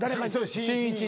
しんいちに。